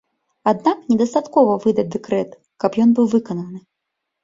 Аднак недастаткова выдаць дэкрэт, каб ён быў выкананы.